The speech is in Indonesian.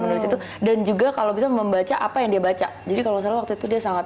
menulis itu dan juga kalau bisa membaca apa yang dia baca jadi kalau salah waktu itu dia sangat